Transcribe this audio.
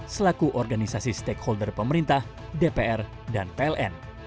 selaku organisasi stakeholder pemerintah dpr dan pln